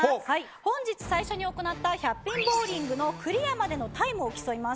本日最初に行った１００ピンボウリングクリアまでのタイムを競います。